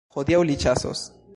Hodiaŭ li ĉasos.